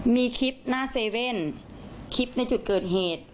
มีคลิปหน้าเซเว่นคลิปในจุดเกิดเหตุ